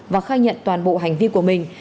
và khai nhận toàn bộ hành vi của mình